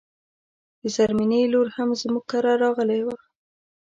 د زرمينې لور هم زموږ کره راغلی و